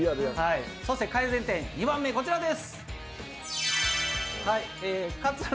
そして改善点２番目はこちらです。